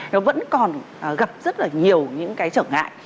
nó vẫn còn gặp rất là nhiều những cái trở ngại